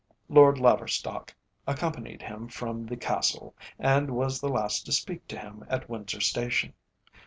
Lord Laverstock accompanied him from the Castle, and was the last to speak to him at Windsor Station.